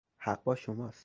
حق با شماست.